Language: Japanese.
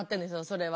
それは。